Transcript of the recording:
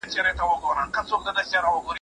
سوال جواب د اور لمبې د اور ګروزونه